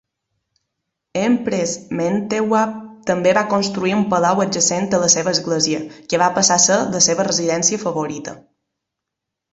Empress Mentewab també va construir un palau adjacent a la seva església, que va passar a ser la seva residència favorita.